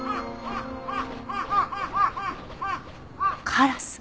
カラス。